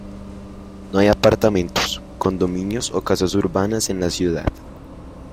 No hay apartamentos, condominios o casas urbanas en la ciudad.